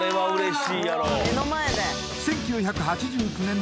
１９８９年